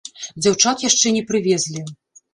Дзяўчат яшчэ не прывезлі.